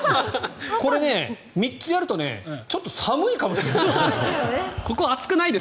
これね、３つやるとちょっと寒いかもしれない。